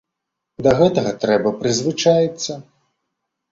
Да гэтага трэба прызвычаіцца.